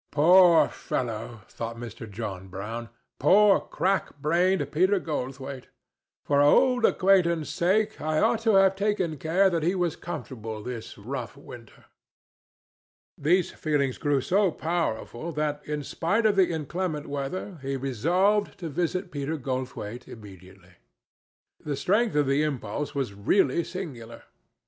"Poor fellow!" thought Mr. John Brown. "Poor crack brained Peter Goldthwaite! For old acquaintance' sake I ought to have taken care that he was comfortable this rough winter." These feelings grew so powerful that, in spite of the inclement weather, he resolved to visit Peter Goldthwaite immediately. The strength of the impulse was really singular.